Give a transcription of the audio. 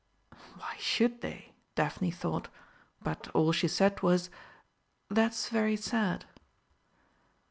"Why should they?" Daphne thought, but all she said was, "That's very sad."